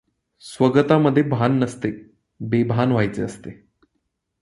स्वगता मध्ये भान नसते, बेभान व्हायचे असते.